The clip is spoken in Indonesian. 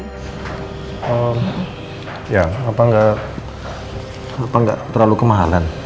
ehm ya kenapa gak terlalu kemahalan